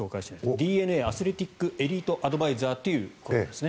ＤｅＮＡアスレティックスエリートアドバイザーということですね。